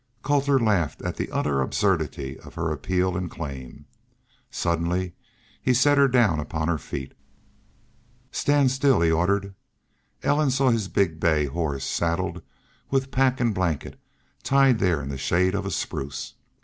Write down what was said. Colter laughed at the utter absurdity of her appeal and claim. Suddenly he set her down upon her feet. "Stand still," he ordered. Ellen saw his big bay horse, saddled, with pack and blanket, tied there in the shade of a spruce.